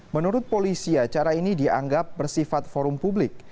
menurut polisi acara ini dianggap bersifat forum publik